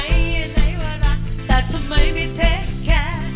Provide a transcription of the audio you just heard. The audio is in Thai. ไหนว่ารักแต่ทำไมไม่เทคแค้น